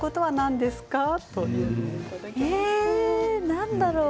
何だろう。